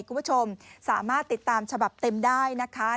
คุณผู้ชมสามารถติดตามฉบับเต็มได้นะคะ